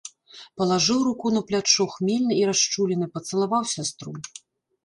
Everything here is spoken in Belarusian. Палажыў руку на плячо, хмельны і расчулены, пацалаваў сястру.